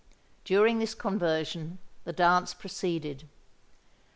During this conversion, the dance proceeded.